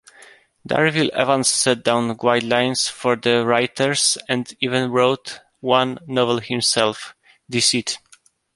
Darvill-Evans set down guidelines for the writers, and even wrote one novel himself, Deceit.